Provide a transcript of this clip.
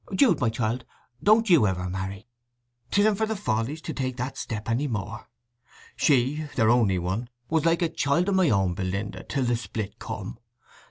Jude, my child, don't you ever marry. 'Tisn't for the Fawleys to take that step any more. She, their only one, was like a child o' my own, Belinda, till the split come!